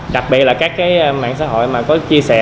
đặc biệt là các mạng xã hội có chia sẻ